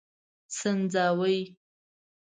سنځاوي